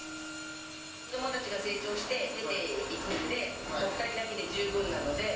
子どもたちが成長して出ていくんで、２人だけで十分なので。